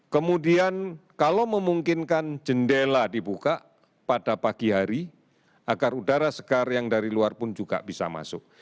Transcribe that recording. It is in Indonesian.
kemudian kalau memungkinkan jendela dibuka pada pagi hari agar udara segar yang dari luar pun juga bisa masuk